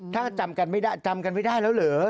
ถ้าจำกันไม่ได้จำกันไม่ได้แล้วเหรอ